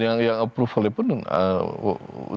yang approve oleh penduduk